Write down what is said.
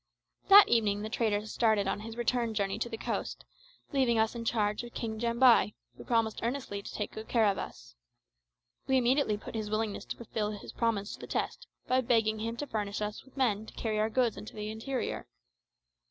That evening the trader started on his return journey to the coast, leaving us in charge of King Jambai, who promised earnestly to take good care of us. We immediately put his willingness to fulfil his promise to the test by begging him to furnish us with men to carry our goods into the interior.